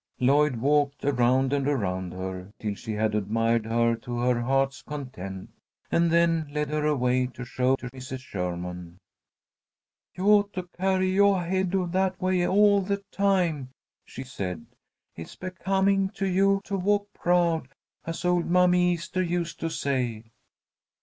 Lloyd walked around and around her, till she had admired her to her heart's content, and then led her away to show to Mrs. Sherman. "You ought to carry yoah head that way all the time," she said. "It's becoming to you to 'walk proud,' as old Mammy Easter used to say."